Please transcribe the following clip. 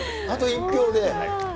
あと１票で。